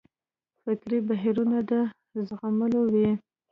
فکري بهیرونه د زغملو وي.